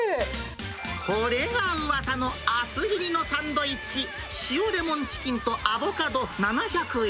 これがうわさの厚切りのサンドイッチ、塩レモンチキンとアボカド７００円。